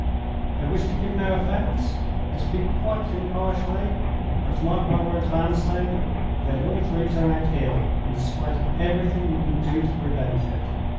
I wish to give no offense; I speak quite impartially—but mark my words, Vanstone: they'll all three turn out ill, in spite of everything you can do to prevent it."